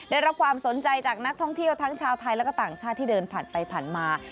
ได้รับความสนใจจากนักท่องเที่ยวทั้งชาวไทยและก็ต่างชาติที่เดินผ่านไปผ่านมา